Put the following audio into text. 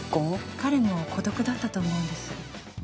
彼も孤独だったと思うんです。